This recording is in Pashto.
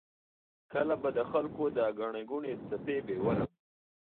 کله به د خلکو د ګڼې ګوڼې څپې بیولم.